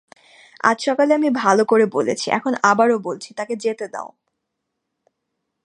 আজ সকালে আমি ভাল করে বলেছি,,,, এখন আবারো বলছি তাকে যেতে দাও।